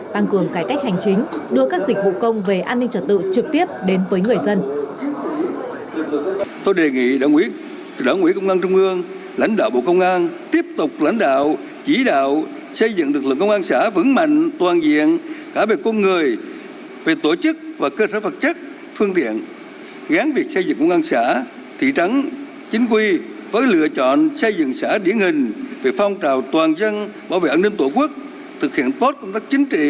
tăng cường cải cách hành chính đưa các dịch vụ công về an ninh trật tự trực tiếp đến với người dân